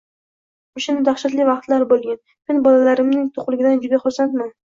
O'shanda dahshatli vaqtlar bo'lgan, men bolalarimning to'qligidan juda xursandman.